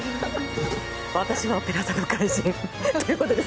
私はオペラ座の怪人ということで。